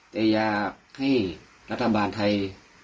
แต่อยากให้รัฐบาลไทย